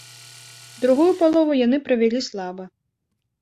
Другую палову яны правялі слаба.